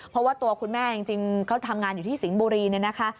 เพราะว่าตัวคุณแม่จริงเขาทำงานอยู่ที่สิงห์บุรีเนี่ยนะคะ